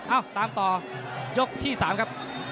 เอ้าตามต่อยกที่๓ครับ